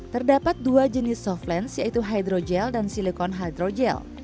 terdapat dua jenis soft lens yaitu hydro gel dan silikon hydro gel